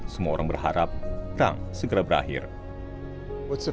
saya akan menghubungi dia dan mengucapkan terima kasih